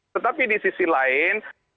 tetapi di sisi lain